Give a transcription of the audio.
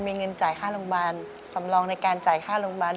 มีเงินจ่ายค่าโรงพยาบาลสำรองในการจ่ายค่าโรงพยาบาล